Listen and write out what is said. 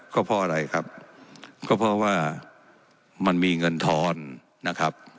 ก็เพราะอะไรครับก็เพราะว่ามันมีเงินทอนนะครับ